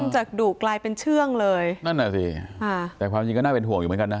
จากดุกลายเป็นเชื่องเลยนั่นน่ะสิค่ะแต่ความจริงก็น่าเป็นห่วงอยู่เหมือนกันนะ